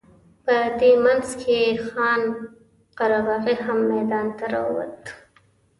په دې منځ کې خان قره باغي هم میدان ته راووت.